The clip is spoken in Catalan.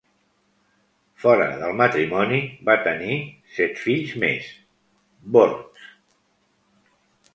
Fora del matrimoni va tenir set fills més, bords.